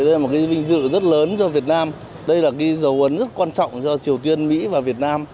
đây là một cái vinh dự rất lớn cho việt nam đây là cái dấu ấn rất quan trọng cho triều tiên mỹ và việt nam